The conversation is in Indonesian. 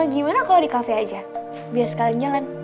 gimana kalau di cafe aja biar sekalian jalan